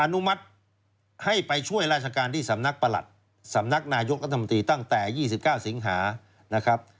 อนุมัติให้ไปช่วยราชการที่สำนักประหลัดสำนักนายกรัฐมนตรีตั้งแต่๒๙สิงหานะครับ